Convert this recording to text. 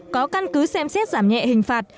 có căn cứ xem xét giảm nhẹ hình phạt